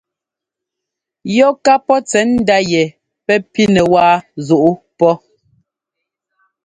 Yɔ ká pɔ́ tsɛ̌ndá yɛ pɛ́ pínɛ wáa zuꞌú pɔ́.